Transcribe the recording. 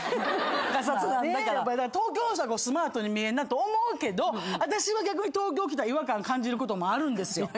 東京の人はスマートに見えるなと思うけど私は逆に東京来たら違和感感じることもあるんです。